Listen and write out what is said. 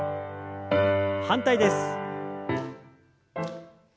反対です。